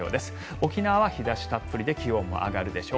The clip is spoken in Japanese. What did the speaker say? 沖縄は日差したっぷりで気温も上がるでしょう。